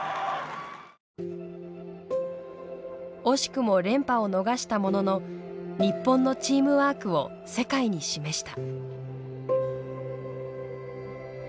惜しくも連覇を逃したものの日本のチームワークを世界に示した。